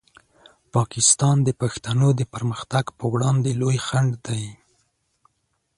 پاکستان د پښتنو د پرمختګ په وړاندې لوی خنډ دی.